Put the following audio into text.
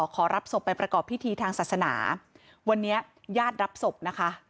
ขอรับศพไปประกอบพิธีทางศาสนาวันนี้ญาติรับศพนะคะ